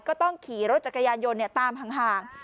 ก็ต้องขี่รถจักรยานยนต์ตามห่าง